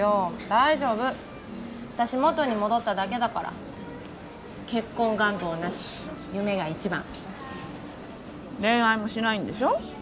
大丈夫私もとに戻っただけだから結婚願望なし夢が一番恋愛もしないんでしょ？